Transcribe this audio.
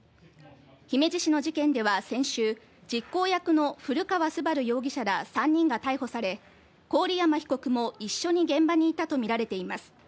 姫路市の事件では先週、実行役の古川昴容疑者ら３人が逮捕され、郡山被告も一緒に現場にいたとみられています。